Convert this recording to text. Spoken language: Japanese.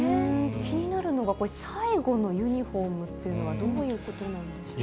気になるのが、最後のユニホームっていうのが、どういうことなんでしょうか。